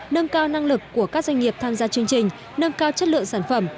nâng cao năng lực của các doanh nghiệp tham gia chương trình nâng cao chất lượng sản phẩm